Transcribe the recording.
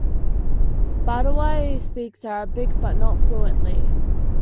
Badawi speaks Arabic but not fluently.